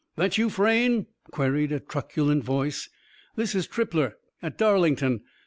"That you, Frayne?" queried a truculent voice. "This is Trippler, at Darlington.